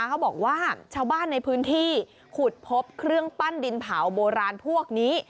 ชาวบ้านในพื้นที่ขุดพบเครื่องปั้นดินเผาโบราณพวกนี้